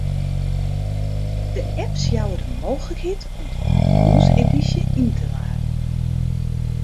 De apps jouwe de mooglikheid om de jûnsedysje yn te laden.